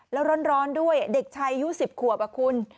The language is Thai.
แล้วร้อนด้วยเด็กชายอายุ๑๐ขวบคุณ